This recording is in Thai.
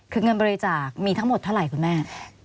คือเงินบริจาคมีทั้งหมดเท่าไหร่คุณแม่